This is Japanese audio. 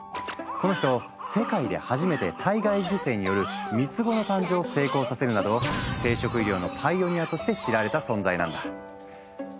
この人世界で初めて体外受精による三つ子の誕生を成功させるなど生殖医療のパイオニアとして知られた存在なんだ。